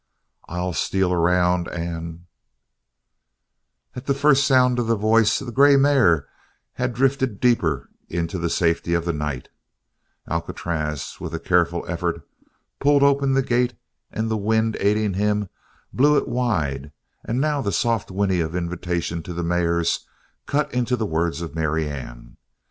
I'll steal around and " At the first sound of the voice the grey mare had drifted deeper into the safety of the night; Alcatraz with a careful effort pulled open the gate; and the wind, aiding him, blew it wide, and now the soft whinny of invitation to the mares cut into the words of Marianne.